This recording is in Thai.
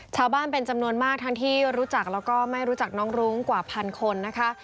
ชาวบ้านเป็นจำนวนมากทั้งที่รู้จักแล้วก็ไม่รู้จักน้องรุ้งกว่าพันคนนะคะ